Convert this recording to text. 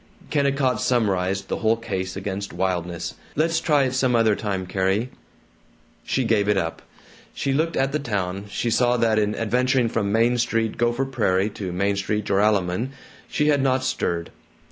Kennicott summarized the whole case against wildness: "Let's try it some other time, Carrie." She gave it up. She looked at the town. She saw that in adventuring from Main Street, Gopher Prairie, to Main Street, Joralemon, she had not stirred.